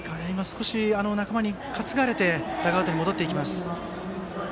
仲間に担がれてダグアウトに戻っていきます。